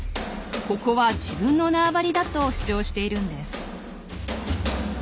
ここは自分の縄張りだと主張しているんです。